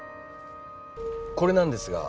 これなんですが。